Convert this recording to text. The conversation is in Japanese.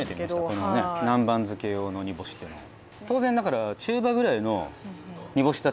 このね南蛮漬け用の煮干しってのは。